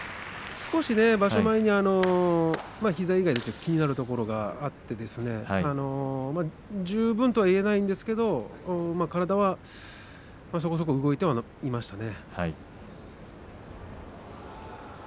少し場所前に、膝以外で気になるところがあって十分とは言えないですけど体はそこそこ動いていましたね。